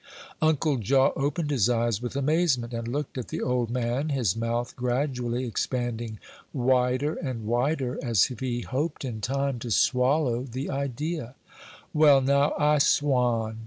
Uncle Jaw opened his eyes with amazement, and looked at the old man, his mouth gradually expanding wider and wider, as if he hoped, in time, to swallow the idea. "Well, now, I swan!"